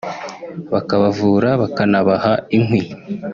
bakabavura bakanabaha inkwi